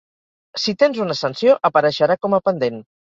Si tens una sanció, apareixerà com a pendent.